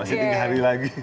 masih tiga hari lagi